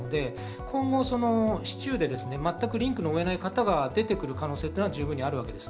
今後、市中で全くリンクの追えない方が出てくる可能性は十分にあります。